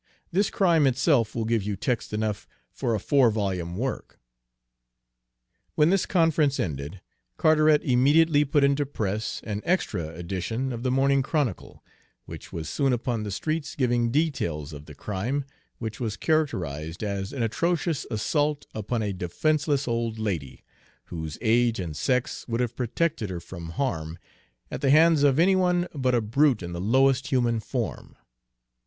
"This crime itself will give you text enough for a four volume work." When this conference ended, Carteret immediately put into press an extra edition of the Morning Chronicle, which was soon upon the streets, giving details of the crime, which was characterized as an atrocious assault upon a defenseless old lady, whose age and sex would have protected her from harm at the hands of any one but a brute in the lowest human form.